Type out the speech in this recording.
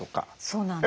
そうなんです。